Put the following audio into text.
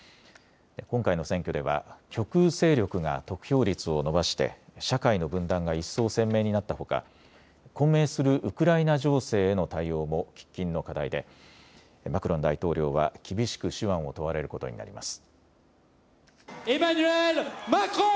今回の選挙では極右勢力が得票率を伸ばして社会の分断が一層鮮明になったほか混迷するウクライナ情勢への対応も喫緊の課題でマクロン大統領は厳しく手腕を問われることになります。